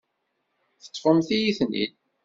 Teṭṭfemt-iyi-ten-id.